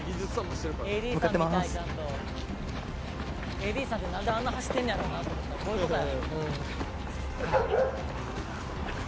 「ＡＤさんってなんであんな走ってんねやろうなと思ったらこういう事や」